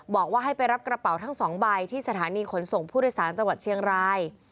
บอกว่าให้ไปรับกระเป๋าทั้ง๒ใบที่สถานีขนส่งผู้โดยสารจังหวัดเชียงราย